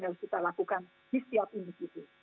yang kita lakukan di setiap individu